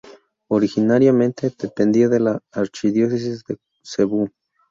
Originariamente dependía de la Archidiócesis de Cebú.